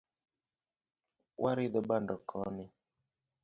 Waridho bando koni